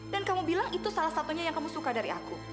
dan kamu bilang itu salah satunya yang kamu suka dari aku